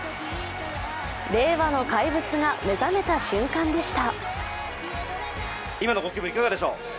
令和の怪物が目覚めた瞬間でした。